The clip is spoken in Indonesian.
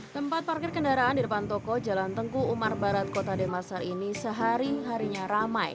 tempat parkir kendaraan di depan toko jalan tengku umar barat kota demasar ini sehari harinya ramai